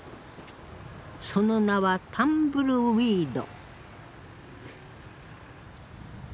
その名はタンブルウィード。